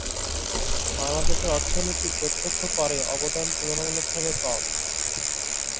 বাংলাদেশের অর্থনীতি প্রত্যক্ষ করে অবদান তুলনামূলকভাবে কম।